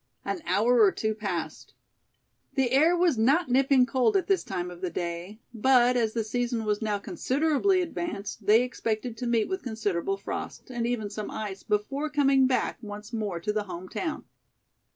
An hour or two passed. The air was not nipping cold at this time of the day; but as the season was now considerably advanced they expected to meet with considerable frost, and even some ice, before coming back once more to the home town.